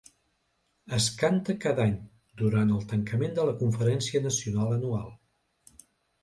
Es canta cada any durant el tancament de la conferència nacional anual.